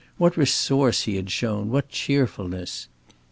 What resource he had shown, what cheerfulness.